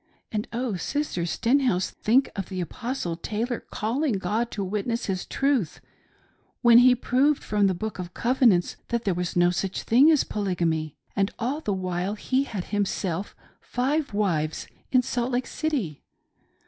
And, oh. Sister Stenhouse, think of the Apostle Taylor calling God to witness his truth when he proved from the Book Of Covenants that there was no such thing as Poly gamy : and all the while he had himself five wives in Salt Lake City